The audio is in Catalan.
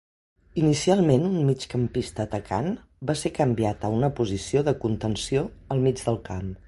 Inicialment un migcampista atacant, va ser canviat a una posició de contenció al mig del camp.